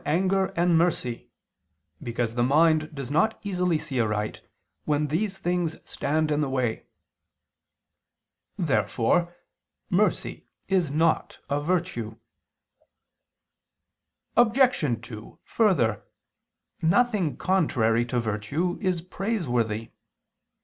anger ... and mercy, because the mind does not easily see aright, when these things stand in the way." Therefore mercy is not a virtue. Obj. 2: Further, nothing contrary to virtue is praiseworthy.